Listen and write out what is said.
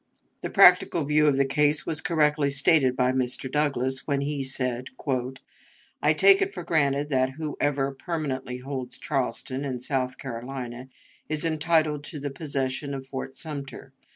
The practical view of the case was correctly stated by Mr. Douglas, when he said: "I take it for granted that whoever permanently holds Charleston and South Carolina is entitled to the possession of Fort Sumter.